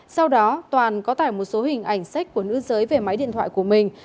sau đó toàn có tải một số hình ảnh sách của nữ giới về máy điện thoại của mình